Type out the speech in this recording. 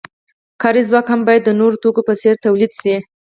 کاري ځواک هم باید د نورو توکو په څیر تولید شي.